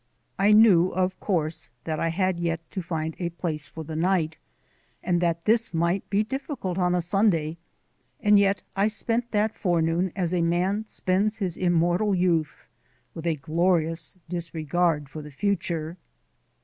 I knew, of course, that I had yet to find a place for the night, and that this might be difficult on Sunday, and yet I spent that forenoon as a man spends his immortal youth with a glorious disregard for the future.